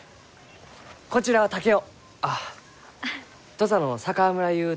土佐の佐川村ゆう